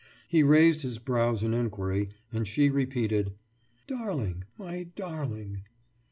He raised his brows in enquiry, and she repeated: »Darling! My Darling!